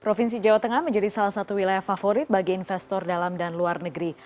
provinsi jawa tengah menjadi salah satu wilayah favorit bagi investor dalam dan luar negeri